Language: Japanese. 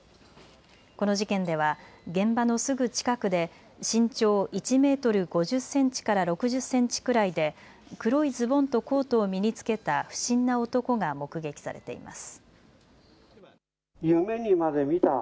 この事件では現場のすぐ近くで身長１メートル５０センチから６０センチくらいで黒いズボンとコートを身に着けた不審な男が目撃されています。